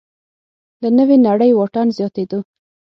له نوې نړۍ واټن زیاتېدو